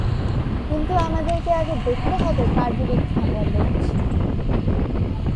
কিন্তু, আমাদেরকে আগে দেখতে হবে কার বিরুদ্ধে আমরা লড়ছি!